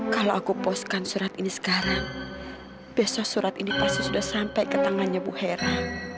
kalau aku poskan surat ini sekarang besok surat ini pasti sudah sampai ke tangannya bu hera